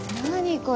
これ。